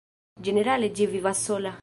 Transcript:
Ĝenerale ĝi vivas sola.